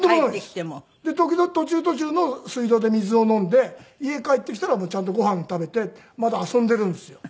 途中途中の水道で水を飲んで家帰ってきたらちゃんとご飯を食べてまだ遊んでるんですよ。